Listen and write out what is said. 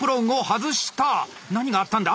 何があったんだ！